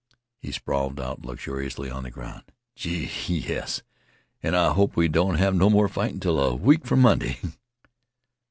He sprawled out luxuriously on the ground. "Gee, yes! An' I hope we don't have no more fightin' till a week from Monday."